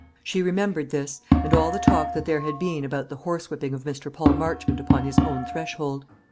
She remembered this, and all the talk that there had been about the horsewhipping of Mr. Paul Marchmont upon his own threshold.